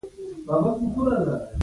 د یوه متجسس ذهن موندونکي شو.